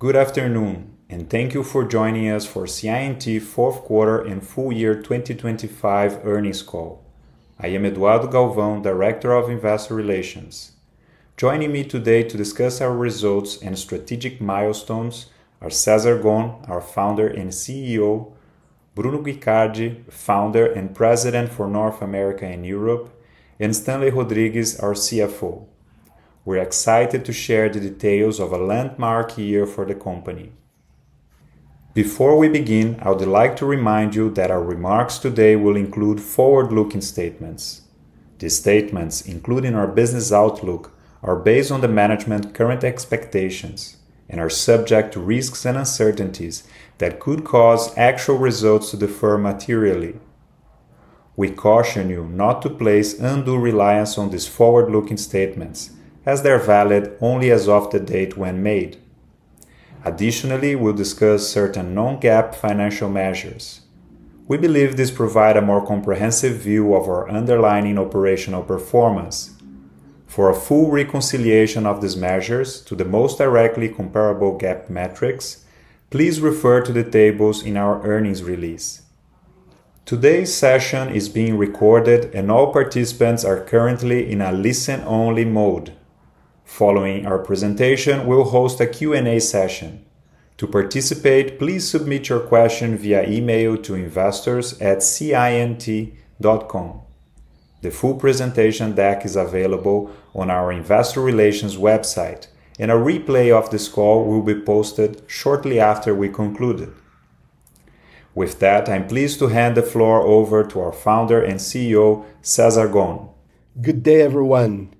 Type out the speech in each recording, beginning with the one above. Good afternoon, and thank you for joining us for CI&T Fourth Quarter and Full Year 2025 Earnings Call. I am Eduardo Galvão, Director of Investor Relations. Joining me today to discuss our results and strategic milestones are Cesar Gon, our Founder and CEO, Bruno Guicardi, Founder and President for North America and Europe, and Stanley Rodrigues, our CFO. We're excited to share the details of a landmark year for the company. Before we begin, I would like to remind you that our remarks today will include forward-looking statements. These statements, including our business outlook, are based on the management's current expectations and are subject to risks and uncertainties that could cause actual results to differ materially. We caution you not to place undue reliance on these forward-looking statements, as they're valid only as of the date when made. Additionally, we'll discuss certain non-GAAP financial measures. We believe these provide a more comprehensive view of our underlying operational performance. For a full reconciliation of these measures to the most directly comparable GAAP metrics, please refer to the tables in our earnings release. Today's session is being recorded, and all participants are currently in a listen only mode. Following our presentation, we'll host a Q&A session. To participate, please submit your question via email to investors at ciandt.com. The full presentation deck is available on our investor relations website, and a replay of this call will be posted shortly after we conclude. With that, I'm pleased to hand the floor over to our Founder and CEO, Cesar Gon. Good day, everyone.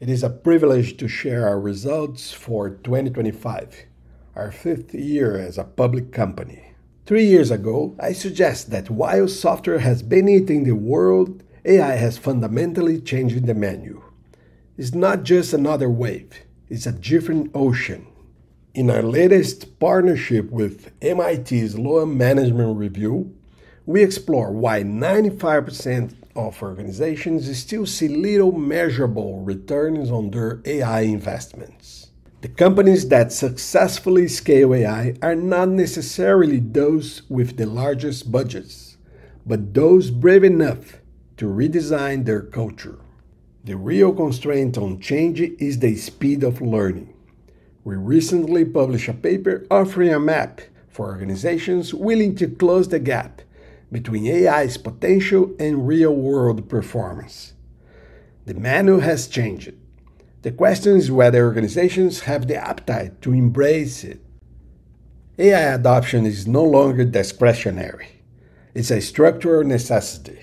It is a privilege to share our results for 2025, our fifth year as a public company. 3three years ago, I suggest that while software has been eating the world, AI has fundamentally changed the menu. It's not just another wave, it's a different ocean. In our latest partnership with MIT Sloan Management Review, we explore why 95% of organizations still see little measurable returns on their AI investments. The companies that successfully scale AI are not necessarily those with the largest budgets, but those brave enough to redesign their culture. The real constraint on change is the speed of learning. We recently published a paper offering a map for organizations willing to close the gap between AI's potential and real world performance. The menu has changed. The question is whether organizations have the appetite to embrace it. AI adoption is no longer discretionary. It's a structural necessity.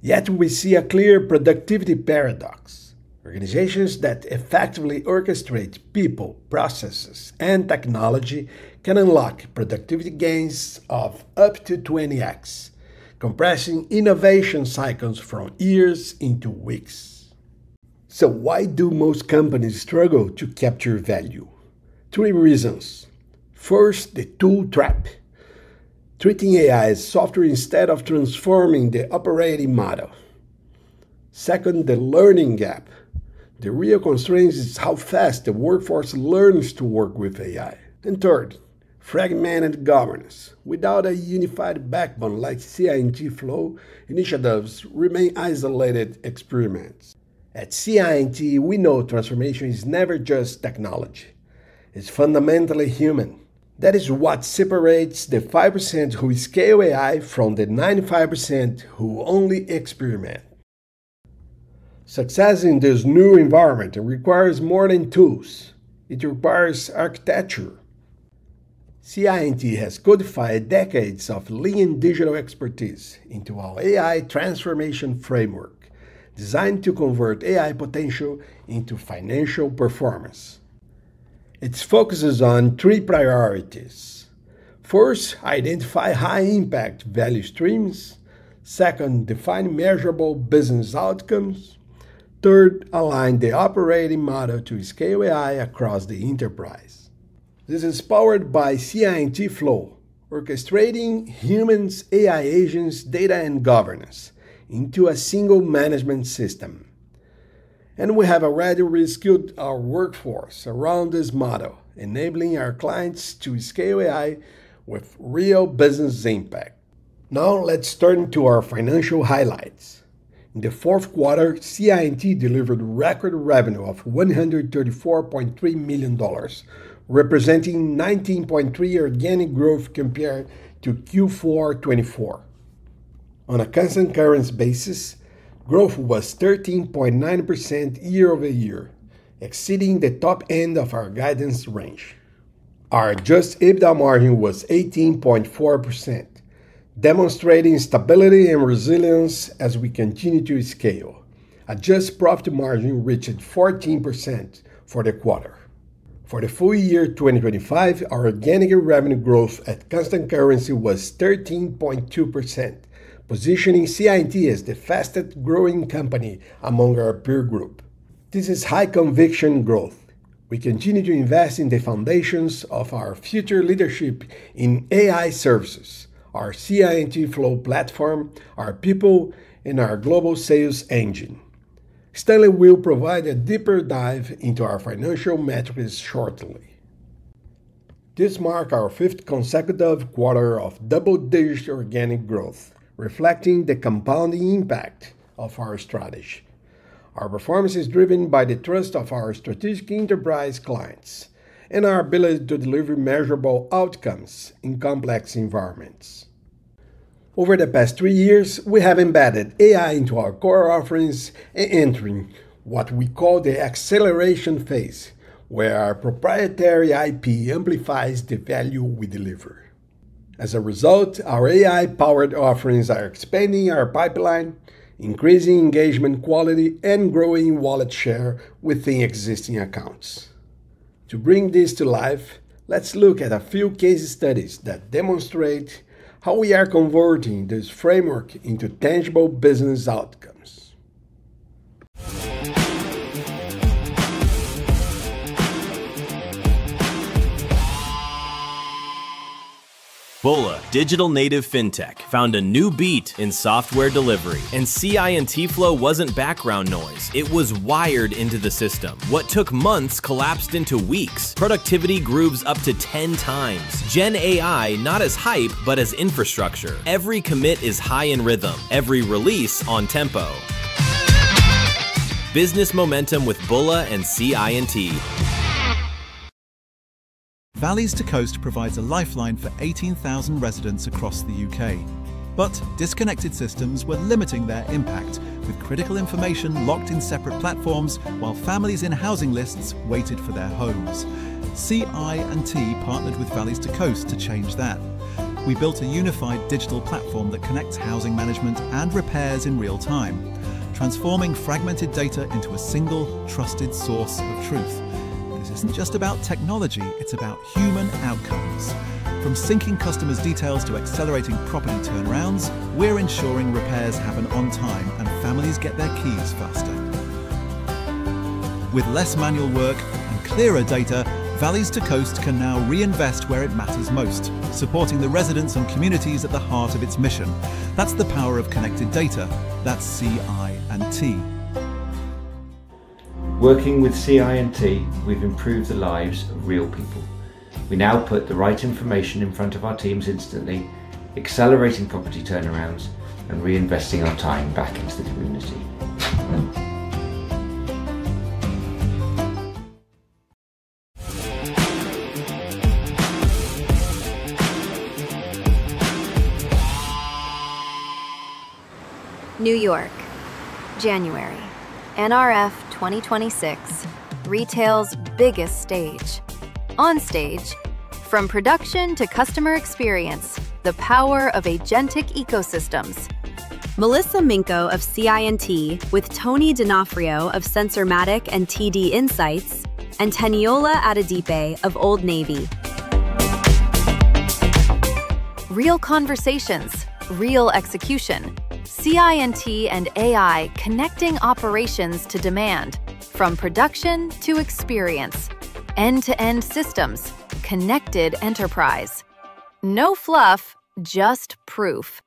Yet we see a clear productivity paradox. Organizations that effectively orchestrate people, processes, and technology can unlock productivity gains of up to 20x, compressing innovation cycles from years into weeks. Why do most companies struggle to capture value? Three reasons. First, the tool trap. Treating AI as software instead of transforming the operating model. Second, the learning gap. The real constraint is how fast the workforce learns to work with AI. Third, fragmented governance. Without a unified backbone like CI&T Flow, initiatives remain isolated experiments. At CI&T, we know transformation is never just technology. It's fundamentally human. That is what separates the 5% who scale AI from the 95% who only experiment. Success in this new environment requires more than tools. It requires architecture. CI&T has codified decades of lean digital expertise into our AI transformation framework, designed to convert AI potential into financial performance. It focuses on three priorities. First, identify high-impact value streams. Second, define measurable business outcomes. Third, align the operating model to scale AI across the enterprise. This is powered by CI&T Flow, orchestrating humans, AI agents, data, and governance into a single management system. We have already reskilled our workforce around this model, enabling our clients to scale AI with real business impact. Now, let's turn to our financial highlights. In the fourth quarter, CI&T delivered record revenue of $134.3 million, representing 19.3% organic growth compared to Q4 2024. On a constant currency basis, growth was 13.9% year-over-year, exceeding the top end of our guidance range. Our adjusted EBITDA margin was 18.4%, demonstrating stability and resilience as we continue to scale. Adjusted profit margin reached 14% for the quarter. For the full year 2025, our organic revenue growth at constant currency was 13.2%, positioning CI&T as the fastest-growing company among our peer group. This is high conviction growth. We continue to invest in the foundations of our future leadership in AI services, our CI&T Flow platform, our people, and our global sales engine. Stanley will provide a deeper dive into our financial metrics shortly. This mark our fifth consecutive quarter of double-digit organic growth, reflecting the compounding impact of our strategy. Our performance is driven by the trust of our strategic enterprise clients and our ability to deliver measurable outcomes in complex environments. Over the past three years, we have embedded AI into our core offerings, entering what we call the acceleration phase, where our proprietary IP amplifies the value we deliver. As a result, our AI-powered offerings are expanding our pipeline, increasing engagement quality, and growing wallet share within existing accounts. To bring this to life, let's look at a few case studies that demonstrate how we are converting this framework into tangible business outcomes. Bullla, digital-native fintech, found a new beat in software delivery, and CI&T Flow wasn't background noise, it was wired into the system. What took months collapsed into weeks. Productivity grooves up to 10x. GenAI, not as hype, but as infrastructure. Every commit is high in rhythm, every release on tempo. Business momentum with Bullla and CI&T. Valleys to Coast provides a lifeline for 18,000 residents across the UK. Disconnected systems were limiting their impact, with critical information locked in separate platforms while families in housing lists waited for their homes. CI&T partnered with Valleys to Coast to change that. We built a unified digital platform that connects housing management and repairs in real time, transforming fragmented data into a single trusted source of truth. This isn't just about technology, it's about human outcomes. From syncing customers' details to accelerating property turnarounds, we're ensuring repairs happen on time and families get their keys faster. With less manual work and clearer data, Valleys to Coast can now reinvest where it matters most, supporting the residents and communities at the heart of its mission. That's the power of connected data. That's CI&T. Working with CI&T, we've improved the lives of real people. We now put the right information in front of our teams instantly, accelerating property turnarounds, and reinvesting our time back into the community. New York, January, NRF 2026, retail's biggest stage. On stage, from production to customer experience, the power of agentic ecosystems. Melissa Minkow of CI&T with Tony D'Onofrio of Sensormatic and TD Insights, and Taniosla Adedipe of Old Navy. Real conversations, real execution. CI&T and AI connecting operations to demand from production to experience. End-to-end systems. Connected enterprise. No fluff, just proof.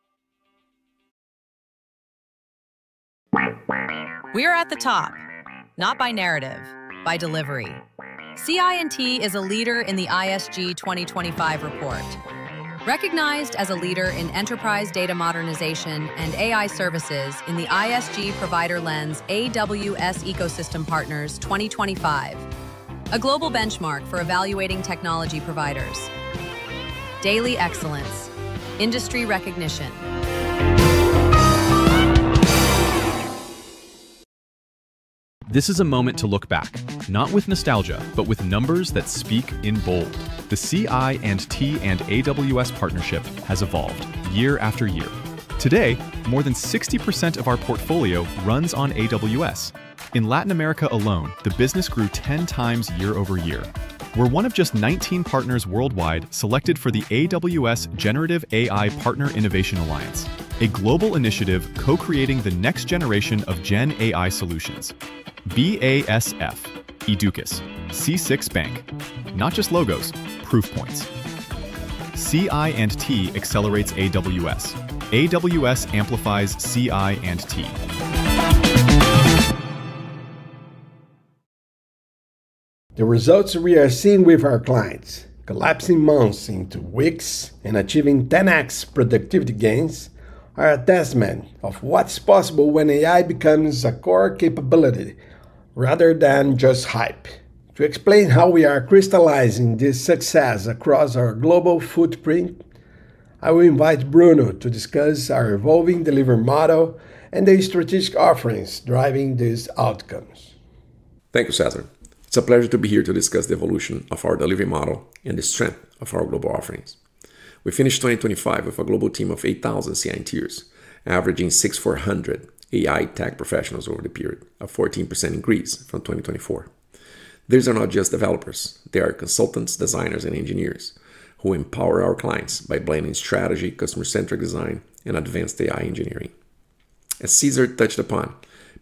We are at the top, not by narrative, by delivery. CI&T is a leader in the ISG 2025 report. Recognized as a leader in enterprise data modernization and AI services in the ISG Provider Lens AWS Ecosystem Partners 2025, a global benchmark for evaluating technology providers. Daily excellence. Industry recognition. This is a moment to look back, not with nostalgia, but with numbers that speak in bold. The CI&T and AWS partnership has evolved year after year. Today, more than 60% of our portfolio runs on AWS. In Latin America alone, the business grew ten times year-over-year. We're one of just 19 partners worldwide selected for the AWS Generative AI Partner Innovation Alliance, a global initiative co-creating the next generation of GenAI solutions. BASF, Educas, C6 Bank. Not just logos, proof points. CI&T accelerates AWS. AWS amplifies CI&T. The results we are seeing with our clients, collapsing months into weeks and achieving 10x productivity gains, are a testament of what's possible when AI becomes a core capability rather than just hype. To explain how we are crystallizing this success across our global footprint, I will invite Bruno to discuss our evolving delivery model and the strategic offerings driving these outcomes. Thank you, Cesar. It's a pleasure to be here to discuss the evolution of our delivery model and the strength of our global offerings. We finished 2025 with a global team of 8,000 CI&Ters, averaging 640 AI tech professionals over the period of 14% increase from 2024. These are not just developers, they are consultants, designers, and engineers who empower our clients by blending strategy, customer-centric design, and advanced AI engineering. As Cesar touched upon,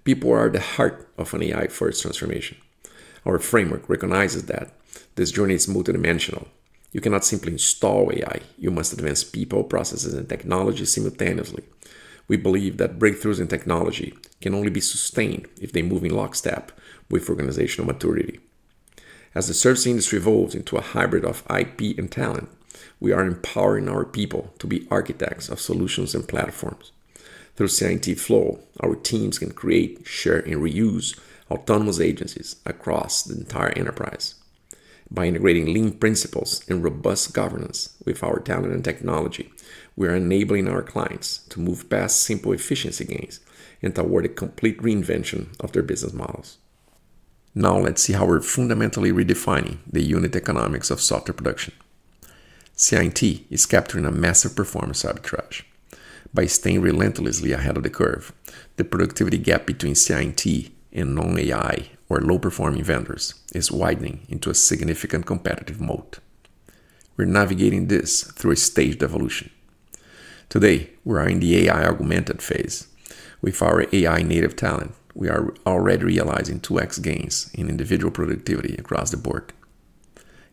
people are the heart of an AI first transformation. Our framework recognizes that this journey is multidimensional. You cannot simply install AI. You must advance people, processes, and technology simultaneously. We believe that breakthroughs in technology can only be sustained if they move in lockstep with organizational maturity. As the service industry evolves into a hybrid of IP and talent, we are empowering our people to be architects of solutions and platforms. Through CI&T Flow, our teams can create, share, and reuse autonomous agents across the entire enterprise. By integrating lean principles and robust governance with our talent and technology, we are enabling our clients to move past simple efficiency gains and toward a complete reinvention of their business models. Now, let's see how we're fundamentally redefining the unit economics of software production. CI&T is capturing a massive performance arbitrage. By staying relentlessly ahead of the curve, the productivity gap between CI&T and non-AI or low-performing vendors is widening into a significant competitive moat. We're navigating this through a staged evolution. Today, we are in the AI-augmented phase. With our AI-native talent, we are already realizing 2x gains in individual productivity across the board.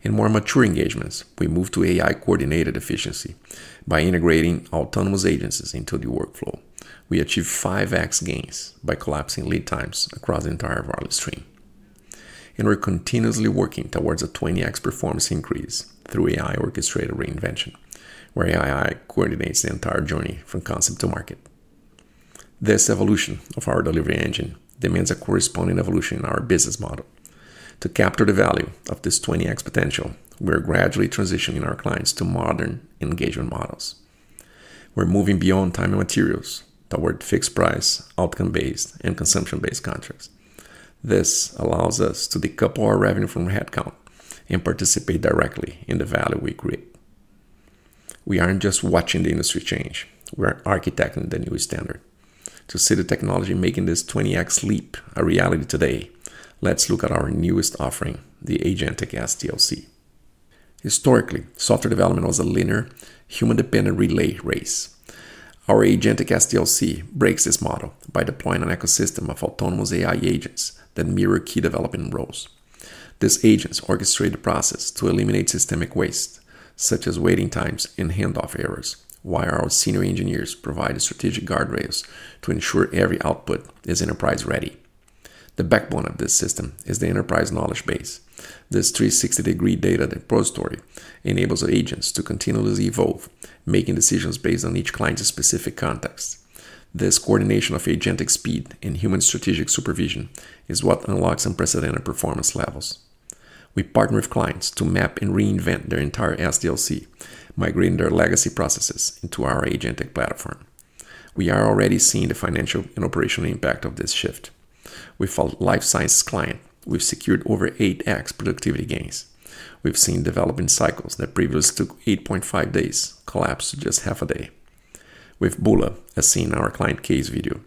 In more mature engagements, we move to AI-coordinated efficiency. By integrating autonomous agencies into the workflow, we achieve 5x gains by collapsing lead times across the entire value stream. We're continuously working towards a 20x performance increase through AI-orchestrated reinvention, where AI coordinates the entire journey from concept to market. This evolution of our delivery engine demands a corresponding evolution in our business model. To capture the value of this 20x potential, we're gradually transitioning our clients to modern engagement models. We're moving beyond time and materials toward fixed price, outcome-based, and consumption-based contracts. This allows us to decouple our revenue from headcount and participate directly in the value we create. We aren't just watching the industry change. We're architecting the new standard. To see the technology making this 20x leap a reality today, let's look at our newest offering, the Agentic SDLC. Historically, software development was a linear, human-dependent relay race. Our Agentic SDLC breaks this model by deploying an ecosystem of autonomous AI agents that mirror key development roles. These agents orchestrate the process to eliminate systemic waste, such as waiting times and handoff errors, while our senior engineers provide strategic guardrails to ensure every output is enterprise-ready. The backbone of this system is the enterprise knowledge base. This 360-degree data repository enables agents to continuously evolve, making decisions based on each client's specific context. This coordination of agentic speed and human strategic supervision is what unlocks unprecedented performance levels. We partner with clients to map and reinvent their entire SDLC, migrating their legacy processes into our Agentic platform. We are already seeing the financial and operational impact of this shift. With a life sciences client, we've secured over 8x productivity gains. We've seen development cycles that previously took 8.5 days collapse to just half a day. With Bullla Solutions, as seen in our client case video,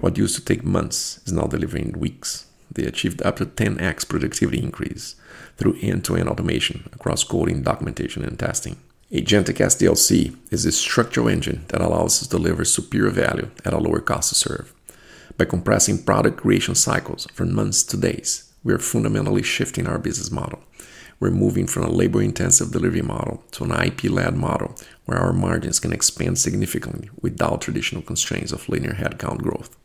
what used to take months is now delivered in weeks. They achieved up to 10x productivity increase through end-to-end automation across coding, documentation, and testing. Agentic SDLC is a structural engine that allows us to deliver superior value at a lower cost to serve. By compressing product creation cycles from months to days, we are fundamentally shifting our business model. We're moving from a labor-intensive delivery model to an IP-led model where our margins can expand significantly without traditional constraints of linear headcount growth.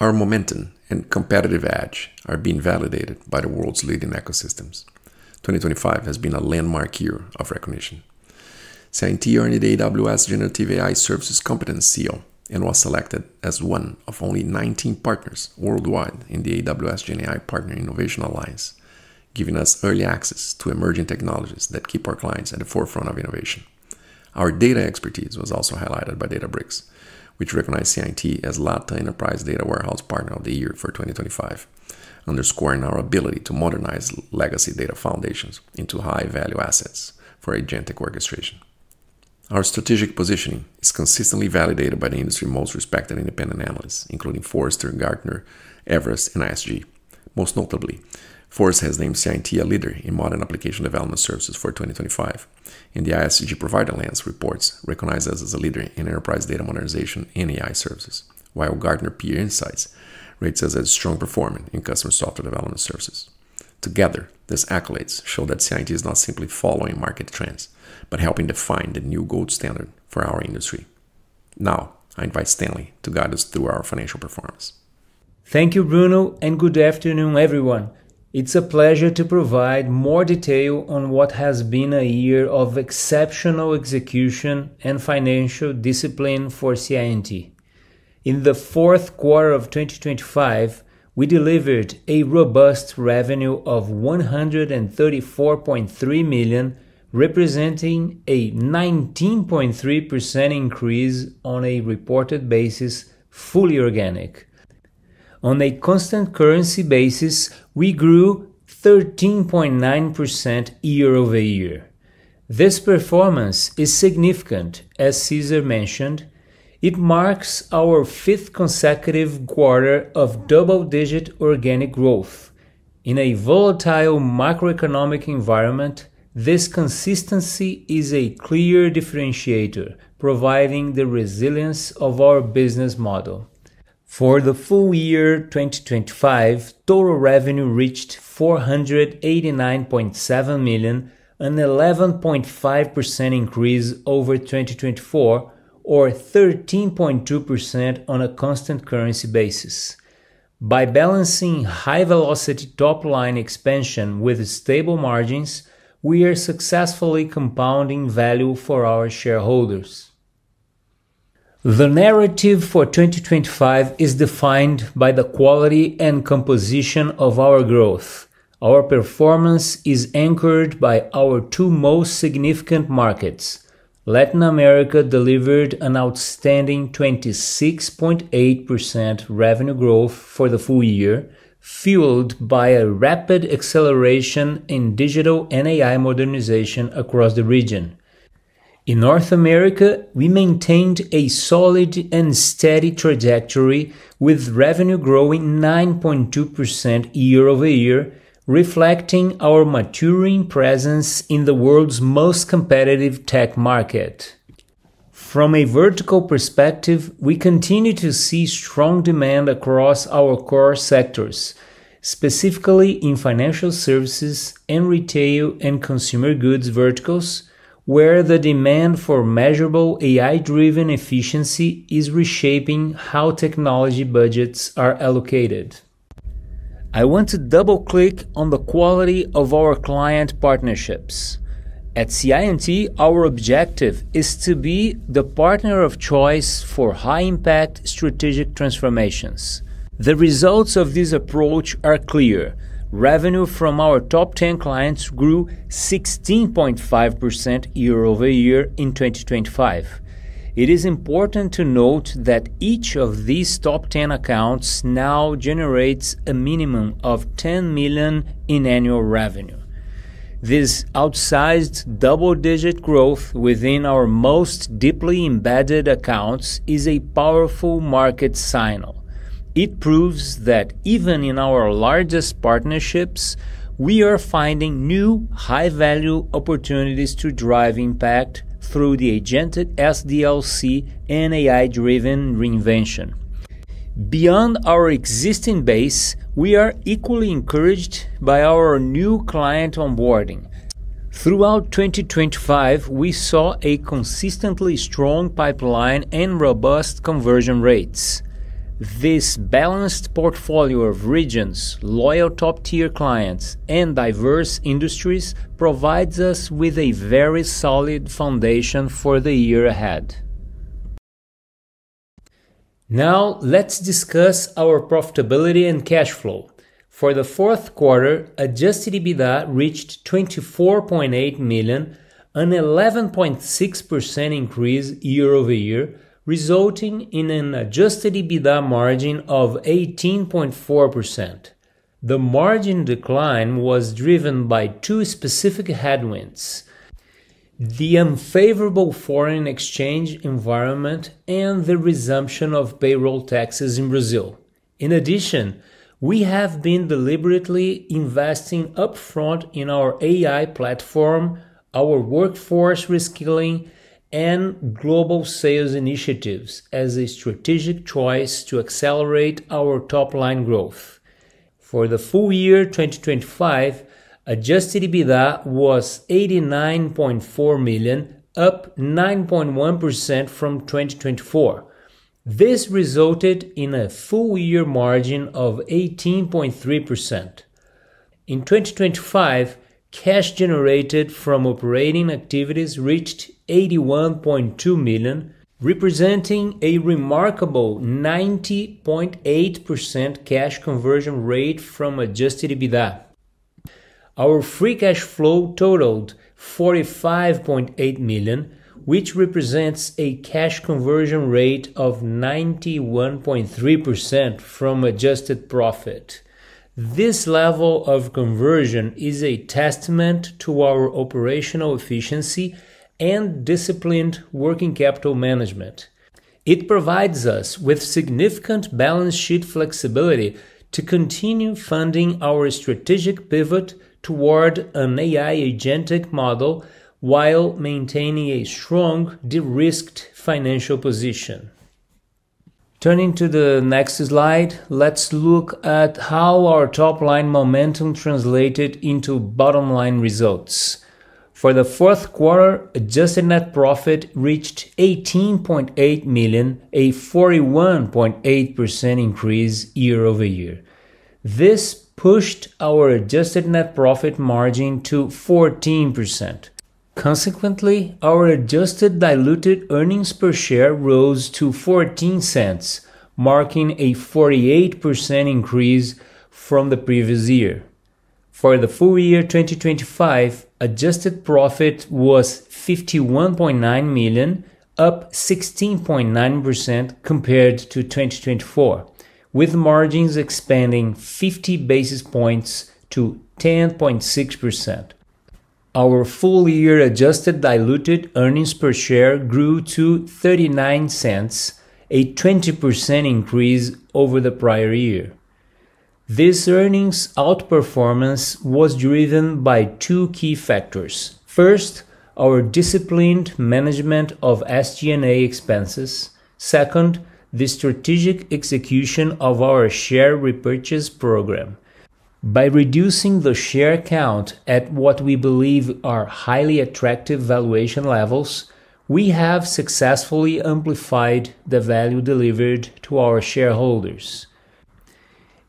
Our momentum and competitive edge are being validated by the world's leading ecosystems. 2025 has been a landmark year of recognition. CI&T earned the AWS Generative AI Services Competency seal and was selected as one of only 19 partners worldwide in the AWS GenAI Partner Innovation Alliance, giving us early access to emerging technologies that keep our clients at the forefront of innovation. Our data expertise was also highlighted by Databricks, which recognized CI&T as Latin Enterprise Data Warehouse Partner of the Year for 2025, underscoring our ability to modernize legacy data foundations into high-value assets for agentic orchestration. Our strategic positioning is consistently validated by the industry's most respected independent analysts, including Forrester, Gartner, Everest Group, and ISG. Most notably, Forrester has named CI&T a leader in modern application development services for 2025, and the ISG Provider Lens reports recognize us as a leader in enterprise data modernization and AI services, while Gartner Peer Insights rates us as a strong performer in custom software development services. Together, these accolades show that CI&T is not simply following market trends, but helping define the new gold standard for our industry. Now, I invite Stanley to guide us through our financial performance. Thank you, Bruno, and good afternoon, everyone. It's a pleasure to provide more detail on what has been a year of exceptional execution and financial discipline for CI&T. In the fourth quarter of 2025, we delivered a robust revenue of $134.3 million, representing a 19.3% increase on a reported basis, fully organic. On a constant currency basis, we grew 13.9% year-over-year. This performance is significant, as Cesar mentioned. It marks our fifth consecutive quarter of double-digit organic growth. In a volatile macroeconomic environment, this consistency is a clear differentiator, providing the resilience of our business model. For the full year 2025, total revenue reached $489.7 million, an 11.5% increase over 2024 or 13.2% on a constant currency basis. By balancing high velocity top-line expansion with stable margins, we are successfully compounding value for our shareholders. The narrative for 2025 is defined by the quality and composition of our growth. Our performance is anchored by our two most significant markets. Latin America delivered an outstanding 26.8% revenue growth for the full year, fueled by a rapid acceleration in digital and AI modernization across the region. In North America, we maintained a solid and steady trajectory with revenue growing 9.2% year-over-year, reflecting our maturing presence in the world's most competitive tech market. From a vertical perspective, we continue to see strong demand across our core sectors, specifically in financial services and retail and consumer goods verticals, where the demand for measurable AI-driven efficiency is reshaping how technology budgets are allocated. I want to double-click on the quality of our client partnerships. At CI&T, our objective is to be the partner of choice for high-impact strategic transformations. The results of this approach are clear. Revenue from our top 10 clients grew 16.5% year-over-year in 2025. It is important to note that each of these top 10 accounts now generates a minimum of 10 million in annual revenue. This outsized double-digit growth within our most deeply embedded accounts is a powerful market signal. It proves that even in our largest partnerships, we are finding new high-value opportunities to drive impact through the Agentic SDLC and AI-driven reinvention. Beyond our existing base, we are equally encouraged by our new client onboarding. Throughout 2025, we saw a consistently strong pipeline and robust conversion rates. This balanced portfolio of regions, loyal top-tier clients, and diverse industries provides us with a very solid foundation for the year ahead. Now, let's discuss our profitability and cash flow. For the fourth quarter, adjusted EBITDA reached 24.8 million, an 11.6% increase year-over-year, resulting in an adjusted EBITDA margin of 18.4%. The margin decline was driven by two specific headwinds, the unfavorable foreign exchange environment and the resumption of payroll taxes in Brazil. In addition, we have been deliberately investing upfront in our AI platform, our workforce reskilling, and global sales initiatives as a strategic choice to accelerate our top-line growth. For the full year 2025, adjusted EBITDA was 89.4 million, up 9.1% from 2024. This resulted in a full year margin of 18.3%. In 2025, cash generated from operating activities reached 81.2 million, representing a remarkable 90.8% cash conversion rate from adjusted EBITDA. Our free cash flow totaled 45.8 million, which represents a cash conversion rate of 91.3% from adjusted profit. This level of conversion is a testament to our operational efficiency and disciplined working capital management. It provides us with significant balance sheet flexibility to continue funding our strategic pivot toward an AI agentic model while maintaining a strong, de-risked financial position. Turning to the next slide, let's look at how our top-line momentum translated into bottom-line results. For the fourth quarter, adjusted net profit reached 18.8 million, a 41.8% increase year-over-year. This pushed our adjusted net profit margin to 14%. Consequently, our adjusted diluted earnings per share rose to 0.14, marking a 48% increase from the previous year. For the full year 2025, adjusted profit was 51.9 million, up 16.9% compared to 2024, with margins expanding 50 basis points to 10.6%. Our full year adjusted diluted earnings per share grew to $0.39, a 20% increase over the prior year. This earnings outperformance was driven by two key factors. First, our disciplined management of SG&A expenses. Second, the strategic execution of our share repurchase program. By reducing the share count at what we believe are highly attractive valuation levels, we have successfully amplified the value delivered to our shareholders.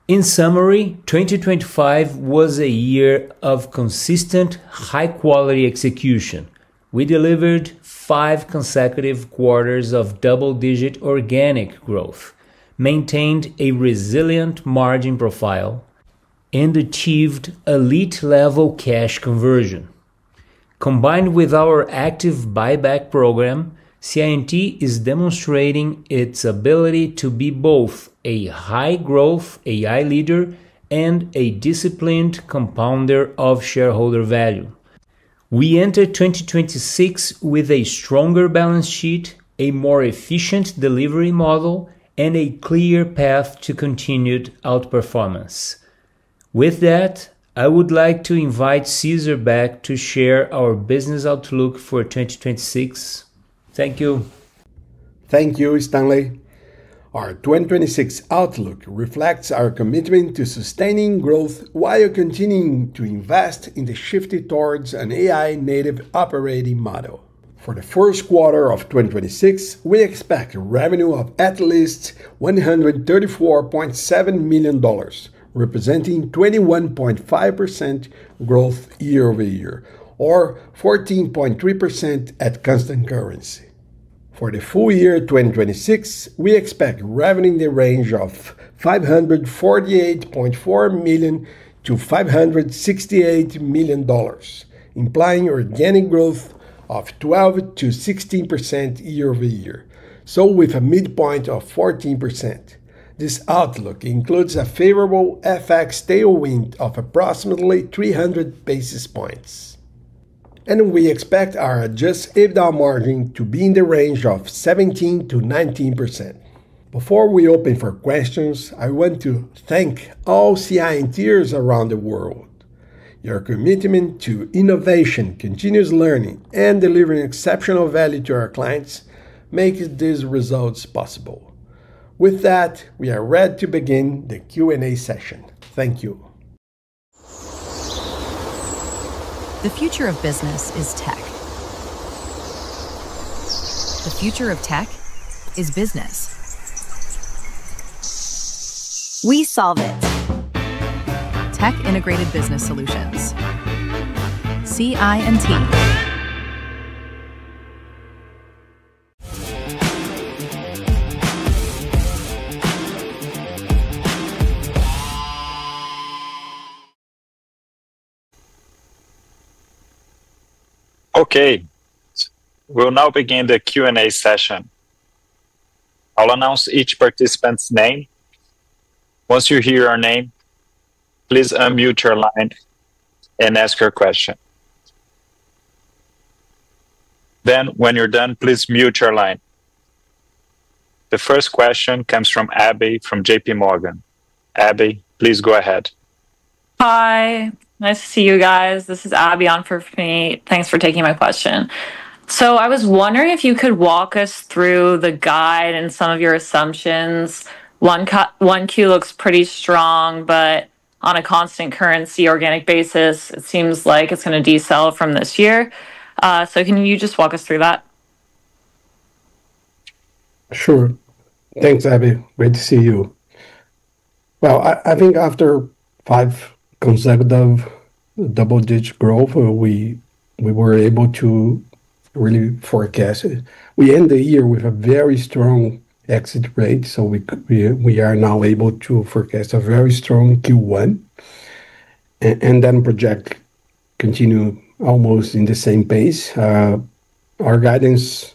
In summary, 2025 was a year of consistent high quality execution. We delivered five consecutive quarters of double-digit organic growth, maintained a resilient margin profile, and achieved elite level cash conversion. Combined with our active buyback program, CI&T is demonstrating its ability to be both a high growth AI leader and a disciplined compounder of shareholder value. We enter 2026 with a stronger balance sheet, a more efficient delivery model, and a clear path to continued outperformance. With that, I would like to invite Cesar back to share our business outlook for 2026. Thank you. Thank you, Stanley. Our 2026 outlook reflects our commitment to sustaining growth while continuing to invest in the shift towards an AI native operating model. For the first quarter of 2026, we expect revenue of at least $134.7 million, representing 21.5% growth year over year, or 14.3% at constant currency. For the full year 2026, we expect revenue in the range of $548.4 million-$568 million, implying organic growth of 12%-16% year over year, so with a midpoint of 14%. This outlook includes a favorable FX tailwind of approximately 300 basis points. We expect our adjusted EBITDA margin to be in the range of 17%-19%. Before we open for questions, I want to thank all CI&Ters around the world. Your commitment to innovation, continuous learning, and delivering exceptional value to our clients makes these results possible. With that, we are ready to begin the Q&A session. Thank you. The future of business is tech. The future of tech is business. We solve it. Tech integrated business solutions. CI&T. Okay. We'll now begin the Q&A session. I'll announce each participant's name. Once you hear your name, please unmute your line and ask your question. Then when you're done, please mute your line. The first question comes from Abbey from J.P. Morgan. Abbey, please go ahead. Hi. Nice to see you guys. This is Abbey on for Fe. Thanks for taking my question. I was wondering if you could walk us through the guide and some of your assumptions. One Q looks pretty strong, but on a constant currency organic basis, it seems like it's gonna decel from this year. Can you just walk us through that? Sure. Thanks, Abbey. Great to see you. Well, I think after five consecutive double-digit growth, we were able to really forecast it. We end the year with a very strong exit rate, so we are now able to forecast a very strong Q1 and then project continue almost in the same pace. Our guidance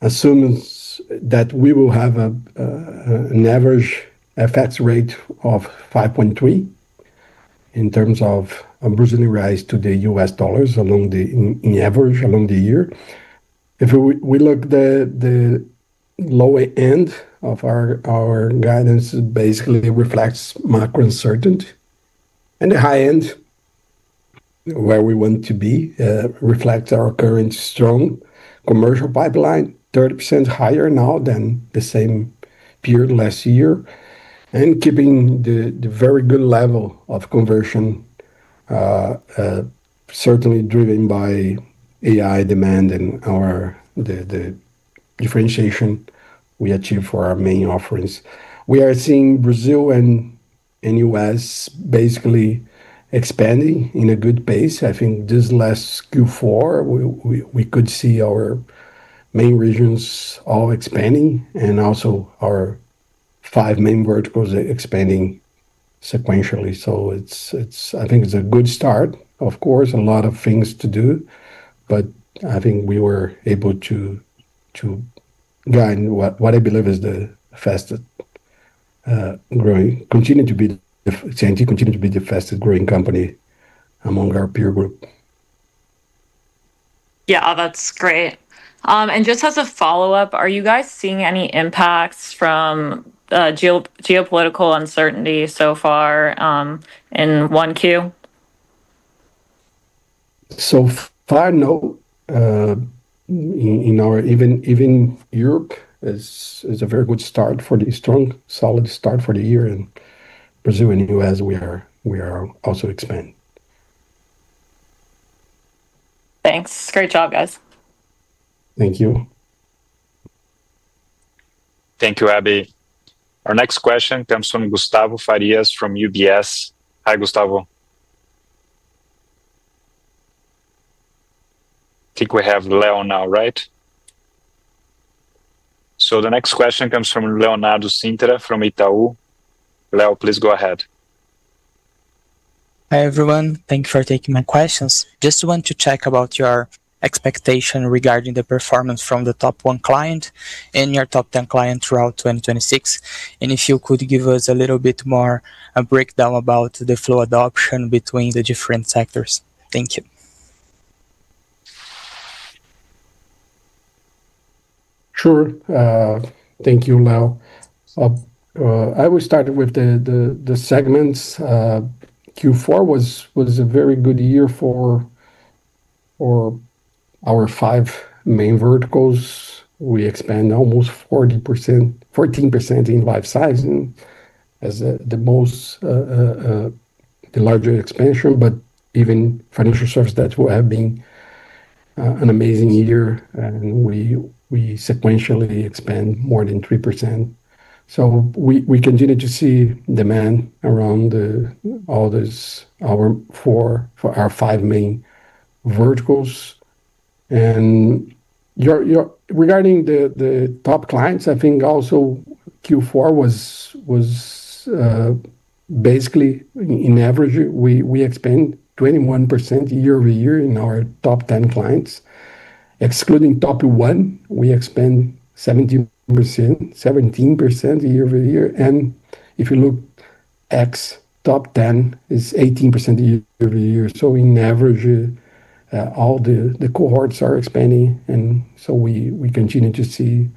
assumes that we will have an average FX rate of 5.3 in terms of Brazilian reais to the U.S. dollars on average along the year. If we look at the lower end of our guidance, basically it reflects macro uncertainty. In the high end, where we want to be, reflects our current strong commercial pipeline, 30% higher now than the same period last year, and keeping the very good level of conversion, certainly driven by AI demand and the differentiation we achieve for our main offerings. We are seeing Brazil and U.S. basically expanding in a good pace. I think this last Q4, we could see our main regions all expanding and also our five main verticals expanding sequentially. I think it's a good start. Of course, a lot of things to do, but I think we were able to guide what I believe is the fastest growing continue to be the CI&T continue to be the fastest growing company among our peer group. Yeah. Oh, that's great. Just as a follow-up, are you guys seeing any impacts from geopolitical uncertainty so far in 1Q? So far, no. Even Europe is a very good, strong, solid start for the year in Brazil and U.S. We are also expanding. Thanks. Great job, guys. Thank you. Thank you, Abbey. Our next question comes from Gustavo Farias from UBS. Hi, Gustavo. I think we have Leo now, right? The next question comes from Leonardo Cintra from Itaú. Leo, please go ahead. Hi, everyone. Thank you for taking my questions. Just want to check about your expectation regarding the performance from the top one client and your top ten client throughout 2026. If you could give us a little bit more a breakdown about the Flow adoption between the different sectors. Thank you. Sure. Thank you, Leonardo. I will start with the segments. Q4 was a very good year for our five main verticals. We expand 14% in life sciences as the largest expansion, but even financial services that will have been an amazing year, and we sequentially expand more than 3%. We continue to see demand around all these our five main verticals. Regarding the top clients, I think also Q4 was basically on average we expand 21% year-over-year in our top ten clients. Excluding top one, we expand 17% year-over-year. If you look ex top ten, is 18% year-over-year. On average, all the cohorts are expanding, and we continue to see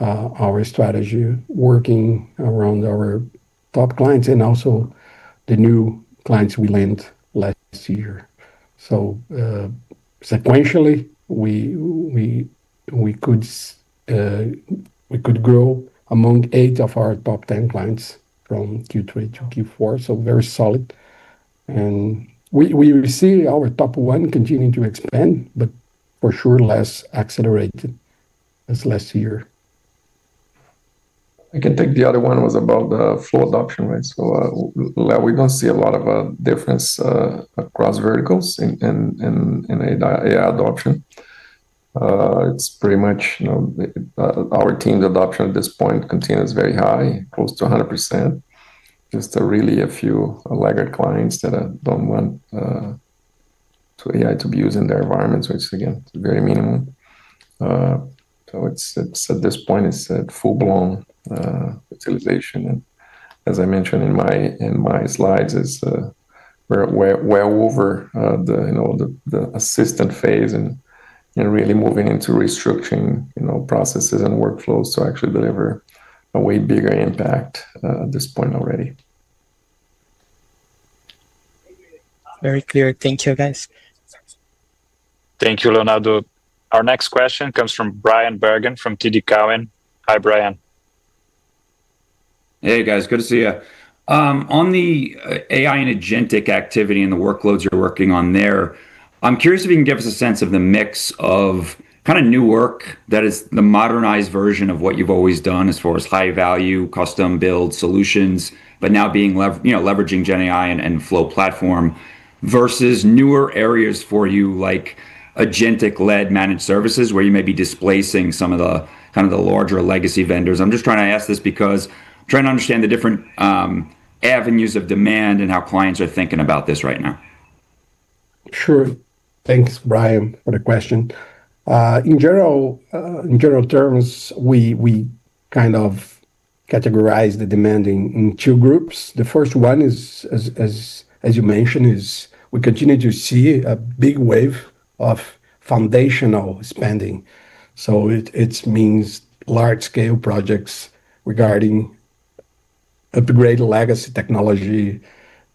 our strategy working around our top clients and also the new clients we land last year. Sequentially, we could grow among eight of our top 10 clients from Q3 to Q4, so very solid. We see our top one continuing to expand, but for sure less accelerated as last year. I can take the other one was about the Flow adoption rate. Leo, we don't see a lot of difference across verticals in AI adoption. It's pretty much, you know, our team's adoption at this point continues very high, close to 100%. Just really a few laggard clients that don't want AI to be used in their environments, which again, is very minimum. It's at this point, it's a full-blown utilization. And as I mentioned in my slides, it's, we're way over, you know, the assistant phase and really moving into restructuring, you know, processes and workflows to actually deliver a way bigger impact at this point already. Very clear. Thank you, guys. Thank you, Leonardo. Our next question comes from Bryan Bergin from TD Cowen. Hi, Brian. Hey, guys. Good to see you. On the AI and agentic activity and the workloads you're working on there, I'm curious if you can give us a sense of the mix of kinda new work that is the modernized version of what you've always done as far as high value, custom build solutions, but now being, you know, leveraging GenAI and flow platform versus newer areas for you like agentic-led managed services, where you may be displacing some of the kind of the larger legacy vendors. I'm just trying to ask this because trying to understand the different avenues of demand and how clients are thinking about this right now. Sure. Thanks, Bryan, for the question. In general terms, we kind of categorize the demand in two groups. The first one is, as you mentioned, we continue to see a big wave of foundational spending. So it means large scale projects regarding upgrade legacy technology,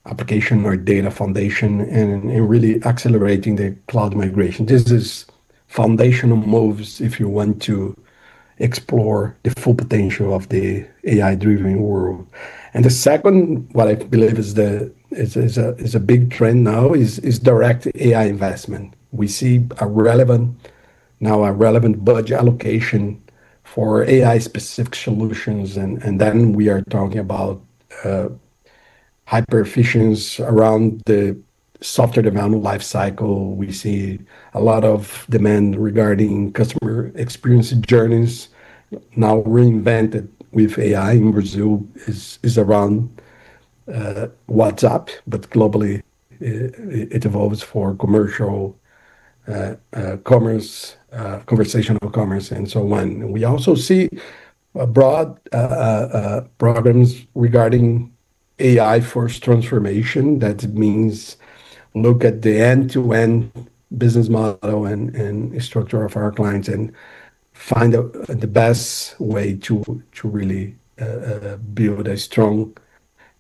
application or data foundation and really accelerating the cloud migration. This is foundational moves if you want to explore the full potential of the AI-driven world. The second, what I believe is a big trend now is direct AI investment. We see a relevant budget allocation for AI-specific solutions, and then we are talking about hyper-efficiency around the software development lifecycle. We see a lot of demand regarding customer experience journeys now reinvented with AI in Brazil is around WhatsApp, but globally, it evolves to e-commerce, conversational commerce and so on. We also see broad programs regarding AI first transformation. That means look at the end-to-end business model and structure of our clients and find out the best way to really build a strong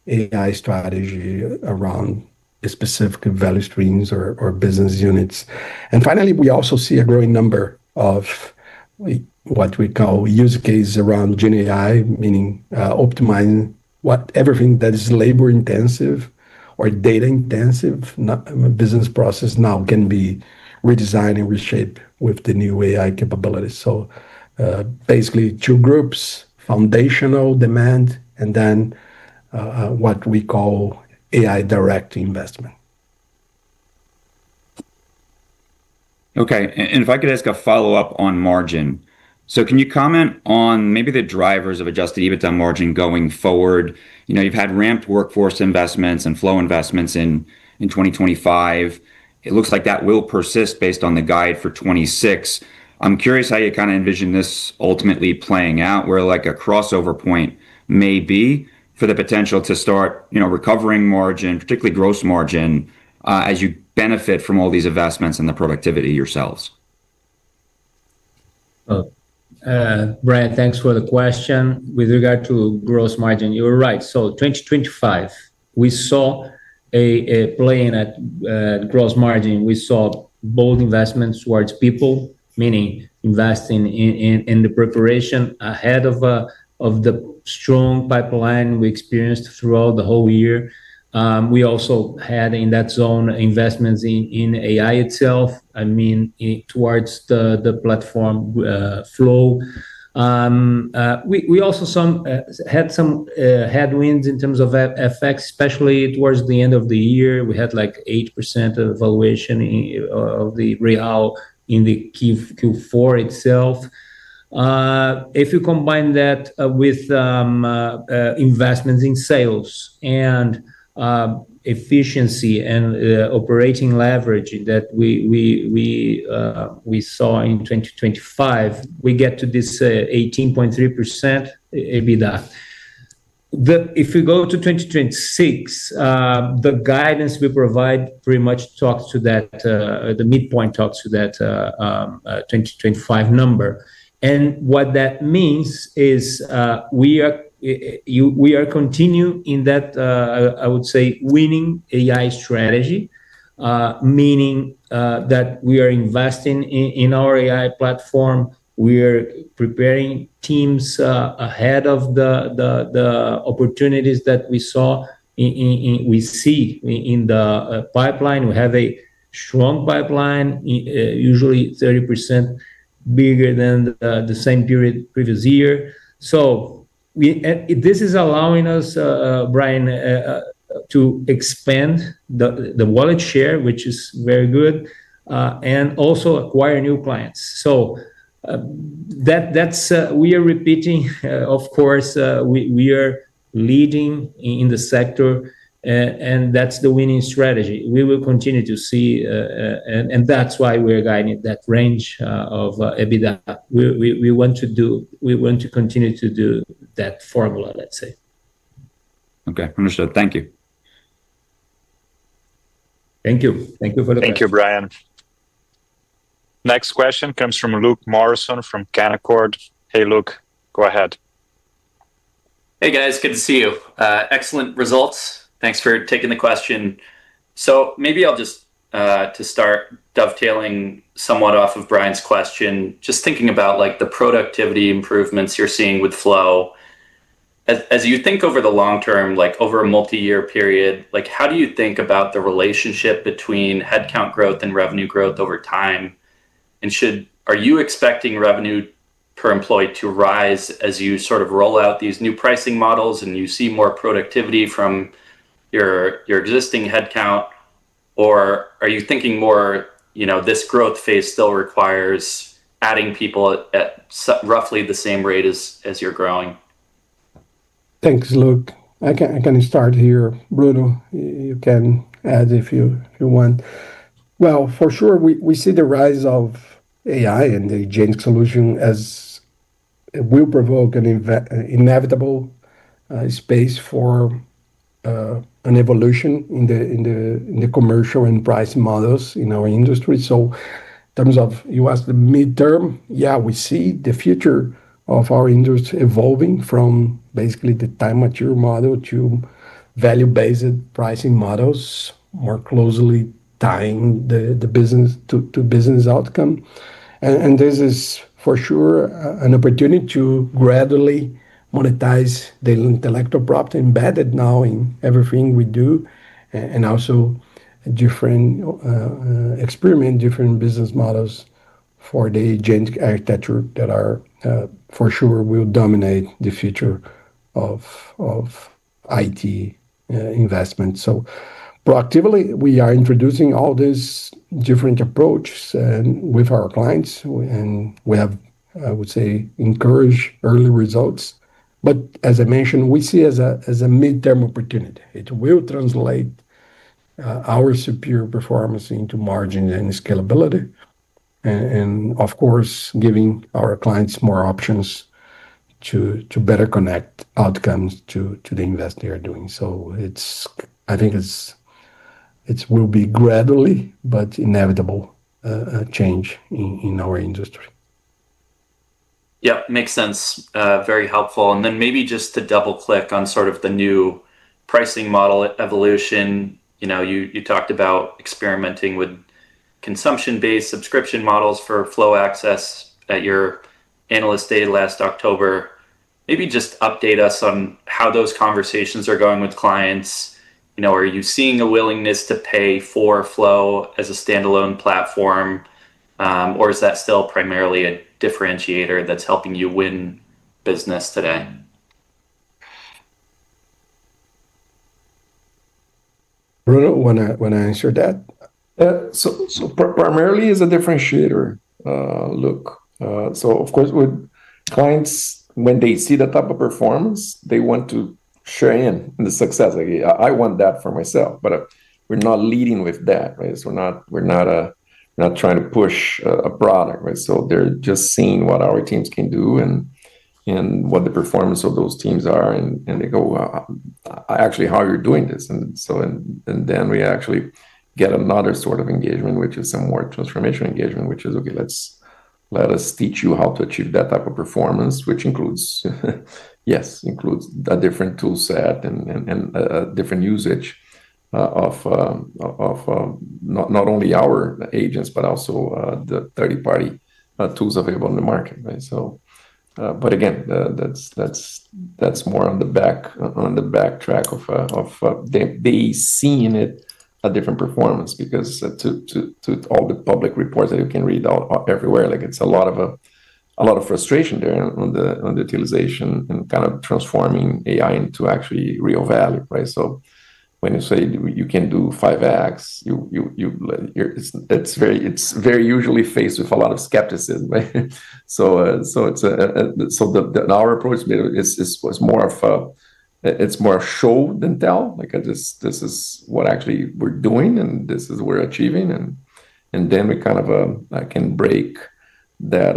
AI strategy around specific value streams or business units. Finally, we also see a growing number of what we call use cases around GenAI, meaning optimize everything that is labor intensive or data-intensive business process now can be redesigned and reshaped with the new AI capabilities. Basically two groups, foundational demand, and then what we call AI direct investment. Okay. If I could ask a follow-up on margin. Can you comment on maybe the drivers of adjusted EBITDA margin going forward? You know, you've had ramped workforce investments and flow investments in 2025. It looks like that will persist based on the guide for 2026. I'm curious how you kinda envision this ultimately playing out, where like a crossover point may be for the potential to start, you know, recovering margin, particularly gross margin, as you benefit from all these investments in the productivity tools. Bryan, thanks for the question. With regard to gross margin, you're right. 2025, we saw a dip in gross margin. We saw bold investments towards people, meaning investing in the preparation ahead of the strong pipeline we experienced throughout the whole year. We also had in that zone investments in AI itself, I mean towards the platform Flow. We also had some headwinds in terms of FX effect, especially towards the end of the year. We had like 8% devaluation of the real in the Q4 itself. If you combine that with investments in sales and efficiency and operating leverage that we saw in 2025, we get to this 18.3% EBITDA. If you go to 2026, the guidance we provide pretty much talks to that, the midpoint talks to that, 2025 number. What that means is, we are continuing in that, I would say, winning AI strategy, meaning that we are investing in our AI platform. We are preparing teams ahead of the opportunities that we see in the pipeline. We have a strong pipeline, usually 30% bigger than the same period previous year. This is allowing us, Bryan, to expand the wallet share, which is very good, and also acquire new clients. We are repeating, of course, we are leading in the sector, and that's the winning strategy. We will continue to see, and that's why we're guiding that range of EBITDA. We want to continue to do that formula, let's say. Okay. Understood. Thank you. Thank you. Thank you for the question. Thank you, Bryan. Next question comes from Luke Morrison from Canaccord. Hey, Luke, go ahead. Hey, guys. Good to see you. Excellent results. Thanks for taking the question. Maybe I'll just to start dovetailing somewhat off of Bryan's question, just thinking about like the productivity improvements you're seeing with flow. As you think over the long term, like over a multi-year period, like how do you think about the relationship between headcount growth and revenue growth over time? Are you expecting revenue per employee to rise as you sort of roll out these new pricing models and you see more productivity from your existing headcount? Or are you thinking more, you know, this growth phase still requires adding people at roughly the same rate as you're growing? Thanks, Luke. I can start here. Bruno, you can add if you want. Well, for sure, we see the rise of AI and the agent solution as it will provoke an inevitable space for an evolution in the commercial and pricing models in our industry. In terms of your ask, the mid-term, yeah, we see the future of our industry evolving from basically the time and materials model to value-based pricing models, more closely tying the business to business outcome. This is for sure an opportunity to gradually monetize the intellectual property embedded now in everything we do, and also to experiment with different business models for the agent architecture that for sure will dominate the future of IT investment. Proactively, we are introducing all these different approaches with our clients, and we have, I would say, encouraging early results. As I mentioned, we see as a midterm opportunity. It will translate our superior performance into margin and scalability. Of course, giving our clients more options to better connect outcomes to the investment they are doing. I think it will be gradual but inevitable change in our industry. Yeah. Makes sense. Very helpful. Then maybe just to double-click on sort of the new pricing model evolution. You know, you talked about experimenting with consumption-based subscription models for flow access at your analyst day last October. Maybe just update us on how those conversations are going with clients. You know, are you seeing a willingness to pay for flow as a standalone platform? Or is that still primarily a differentiator that's helping you win business today? Bruno, wanna answer that? Primarily it's a differentiator, look. Of course with clients, when they see the type of performance, they want to share in the success. Like I want that for myself, but we're not leading with that, right? We're not trying to push a product, right? They're just seeing what our teams can do and what the performance of those teams are and they go, actually how you're doing this. We actually get another sort of engagement, which is some more transformational engagement, which is, okay, let us teach you how to achieve that type of performance, which includes a different tool set and a different usage of not only our agents but also the third-party tools available in the market, right? That's more on the backtrack of them seeing a different performance because to all the public reports that you can read all everywhere, like it's a lot of frustration there on the utilization and kind of transforming AI into actually real value, right? When you say you can do 5x, you. It's very unusual faced with a lot of skepticism, right? Our approach is more show than tell. Like this is what actually we're doing and this is we're achieving and then we kind of can break that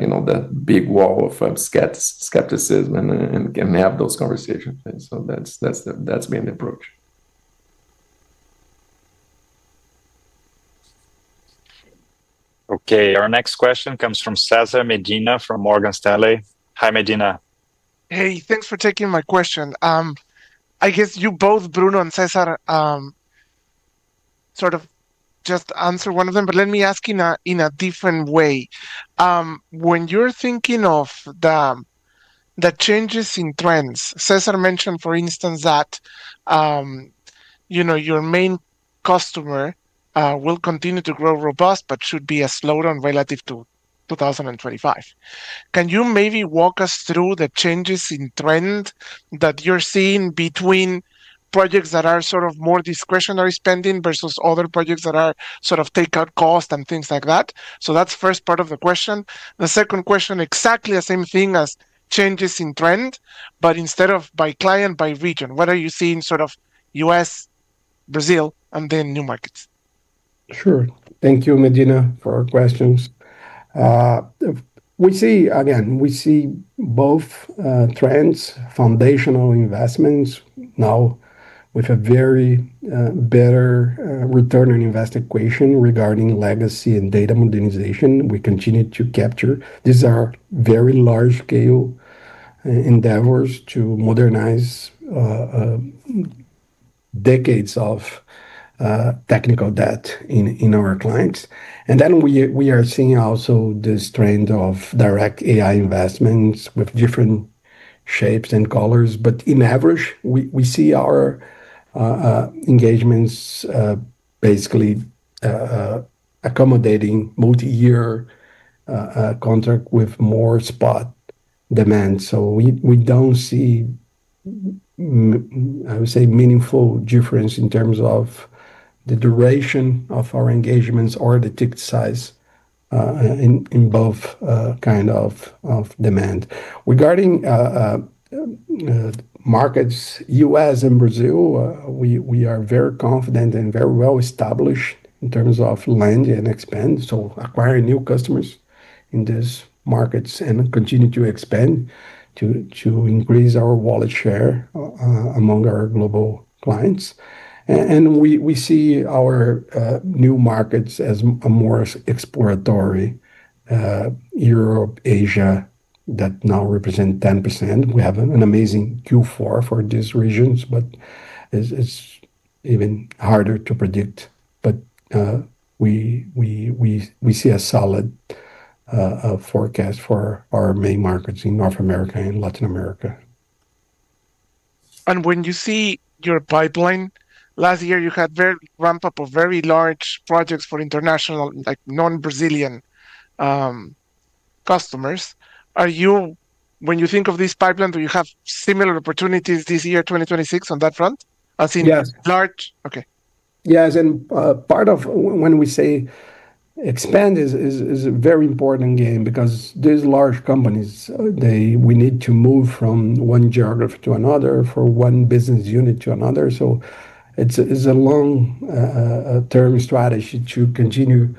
you know that big wall of skepticism and can have those conversations. That's been the approach. Okay. Our next question comes from Cesar Medina from Morgan Stanley. Hi, Medina. Hey, thanks for taking my question. I guess you both, Bruno and Cesar, sort of just answer one of them, but let me ask in a different way. When you're thinking of the changes in trends, Cesar mentioned, for instance, that you know, your main customer will continue to grow robust but should be a slowdown relative to 2025. Can you maybe walk us through the changes in trend that you're seeing between projects that are sort of more discretionary spending versus other projects that are sort of take out cost and things like that? That's first part of the question. The second question, exactly the same thing as changes in trend, but instead of by client, by region. What are you seeing sort of U.S., Brazil, and then new markets? Sure. Thank you, Medina, for your questions. We see both trends, foundational investments now with a very better return on investment equation regarding legacy and data modernization we continue to capture. These are very large scale endeavors to modernize decades of technical debt in our clients. We are seeing also this trend of direct AI investments with different shapes and colors. On average, we see our engagements basically accommodating multi-year contract with more spot demand. We don't see, I would say, meaningful difference in terms of the duration of our engagements or the ticket size in both kinds of demand. Regarding markets, U.S. and Brazil, we are very confident and very well established in terms of land and expand, so acquiring new customers in these markets and continue to expand to increase our wallet share among our global clients. We see our new markets as a more exploratory, Europe, Asia that now represent 10%. We have an amazing Q4 for these regions, but it's even harder to predict. We see a solid forecast for our main markets in North America and Latin America. When you see your pipeline, last year you had very ramp up of very large projects for international, like non-Brazilian, customers. When you think of this pipeline, do you have similar opportunities this year, 2026 on that front as in? Yes. Okay. Part of when we say expand is a very important game because these large companies, we need to move from one geography to another, from one business unit to another. It's a long-term strategy to continue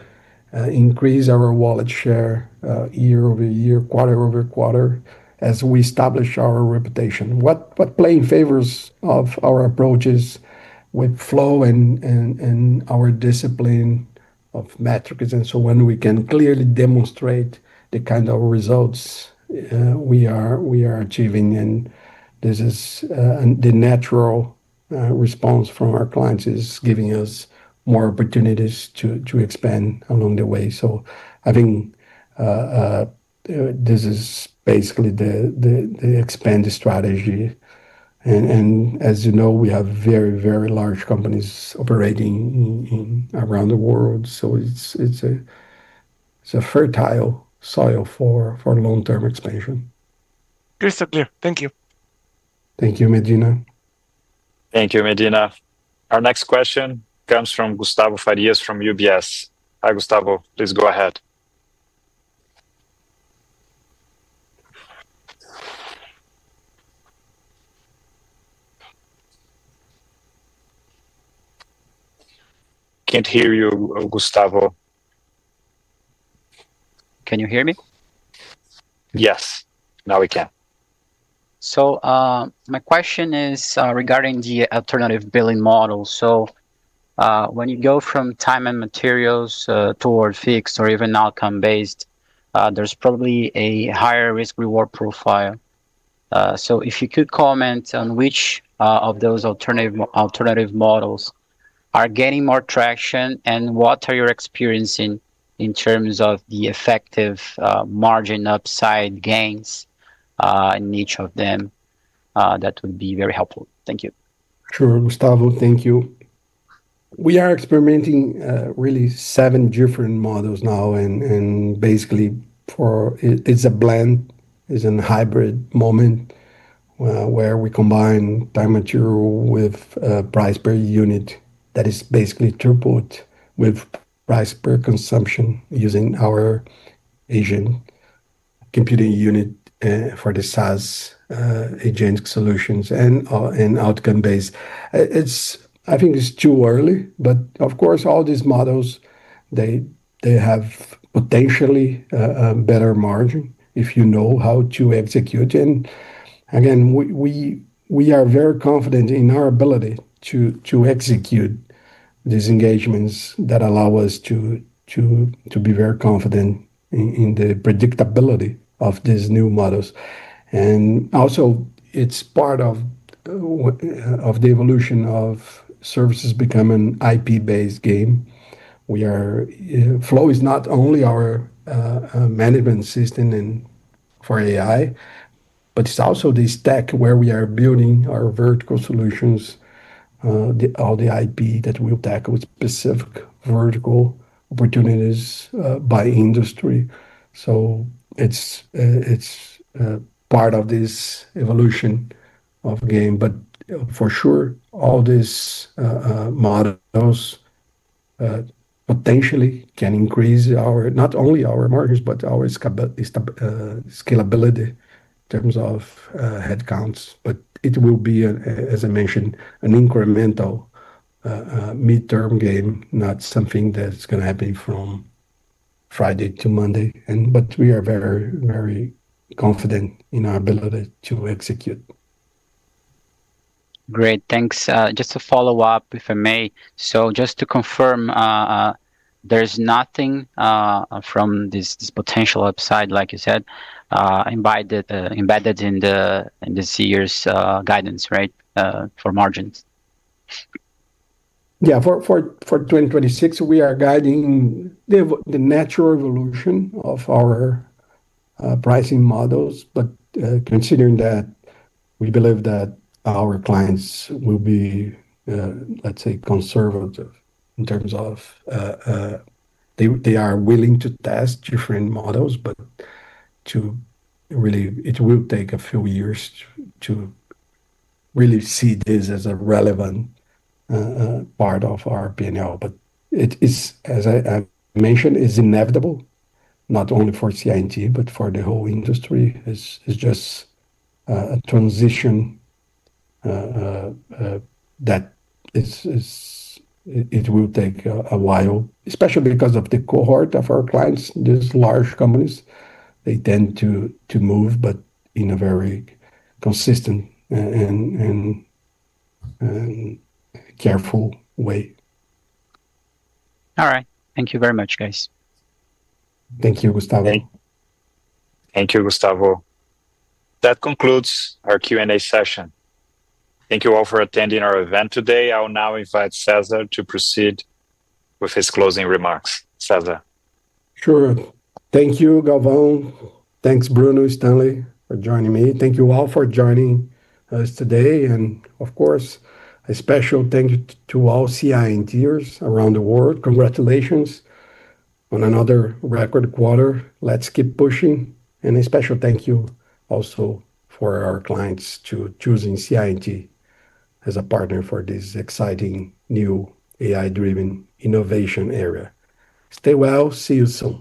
to increase our wallet share year-over-year, quarter-over-quarter as we establish our reputation. What plays in favor of our approaches with Flow and our discipline of metrics. When we can clearly demonstrate the kind of results we are achieving, and this is the natural response from our clients, giving us more opportunities to expand along the way. I think this is basically the expand strategy. As you know, we have very, very large companies operating in and around the world. It's a fertile soil for long-term expansion. Crystal clear. Thank you. Thank you, Cesar Medina. Thank you, Medina. Our next question comes from Gustavo Farias from UBS. Hi, Gustavo. Please go ahead. Can't hear you, Gustavo. Can you hear me? Yes. Now we can. My question is regarding the alternative billing model. When you go from time and materials toward fixed or even outcome-based, there's probably a higher risk-reward profile. If you could comment on which of those alternative models are gaining more traction, and what are you experiencing in terms of the effective margin upside gains in each of them, that would be very helpful. Thank you. Sure, Gustavo. Thank you. We are experimenting really seven different models now and basically it's a blend, it's a hybrid moment where we combine time and material with price per unit that is basically throughput with price per consumption using our agent computing unit for the SaaS agent solutions and outcome-based. I think it's too early, but of course, all these models they have potentially a better margin if you know how to execute. Again, we are very confident in our ability to execute these engagements that allow us to be very confident in the predictability of these new models. Also, it's part of the evolution of services become an IP-based game. Flow is not only our management system for AI, but it's also the stack where we are building our vertical solutions, all the IP that will tackle specific vertical opportunities by industry. It's part of this evolution of GenAI. For sure, all these models potentially can increase our not only our margins but our scalability in terms of headcounts. It will be, as I mentioned, an incremental midterm gain, not something that's gonna happen from Friday to Monday. We are very, very confident in our ability to execute. Great. Thanks. Just to follow up, if I may. Just to confirm, there's nothing from this potential upside, like you said, embedded in this year's guidance, right? For margins. Yeah. For 2026, we are guiding the natural evolution of our pricing models. Considering that, we believe that our clients will be, let's say, conservative in terms of. They are willing to test different models, but it will take a few years to really see this as a relevant part of our P&L. But it is, as I mentioned, inevitable, not only for CI&T but for the whole industry. It's just a transition that it will take a while, especially because of the cohort of our clients, these large companies. They tend to move, but in a very consistent and careful way. All right. Thank you very much, guys. Thank you, Gustavo. Thank you, Gustavo. That concludes our Q&A session. Thank you all for attending our event today. I'll now invite Cesar to proceed with his closing remarks. Cesar. Sure. Thank you, Galvão. Thanks, Bruno, Stanley, for joining me. Thank you all for joining us today. Of course, a special thank you to all CI&Ters around the world. Congratulations on another record quarter. Let's keep pushing. A special thank you also to our clients for choosing CI&T as a partner for this exciting new AI-driven innovation era. Stay well. See you soon.